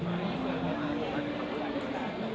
มันยอดทั้งประโยคเกิด